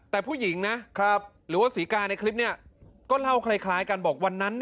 แต่ผู้หญิงนะหรือว่าศรีกาในคลิปนี้ก็เล่าคล้ายกันบอกวันนั้น